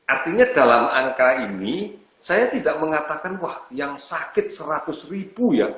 artinya dalam angka ini saya tidak mengatakan wah yang sakit seratus ribu ya